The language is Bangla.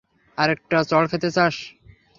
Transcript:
আরেকটা চড় খেতে চাস?